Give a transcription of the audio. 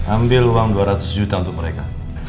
ambil uang dua ratus juta untuk mereka